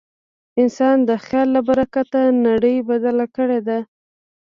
انسان د خیال له برکته نړۍ بدله کړې ده.